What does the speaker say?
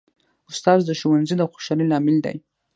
استاد د ښوونځي د خوشحالۍ لامل دی.